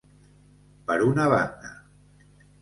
Per una banda.